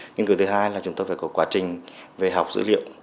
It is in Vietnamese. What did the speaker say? nghiên cứu thứ hai là chúng tôi phải có quá trình về học dữ liệu